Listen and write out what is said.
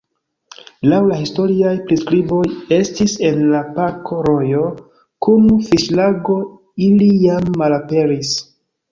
Laŭ la historiaj priskriboj estis en la parko rojo kun fiŝlago, ili jam malaperis.